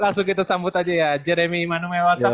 langsung kita sambut aja ya jeremy manumewa tjokdo